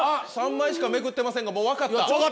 ３枚しかめくってませんがもう分かった。